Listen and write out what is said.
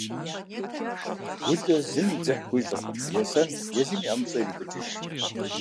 Гулэ зыми дзыхь хуищӀыркъым. Есэн, езым и ӀэмыщӀэ ирепӀыкӀыж.